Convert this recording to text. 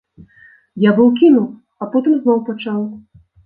Я быў кінуў, а потым зноў пачаў.